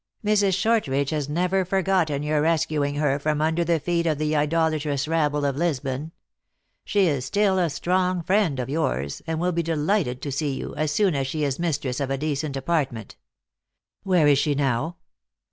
" Mrs. Shortridge has never forgotten your rescuing her from under the feet of the idolatrous rabble of Lisbon. She is still a strong friend of yours, and will be delighted to see you, as soon as she is mistress of a decent apartment." " Where is she now